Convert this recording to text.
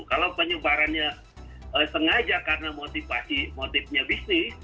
kalau penyebarannya sengaja karena motivasi motifnya bisnis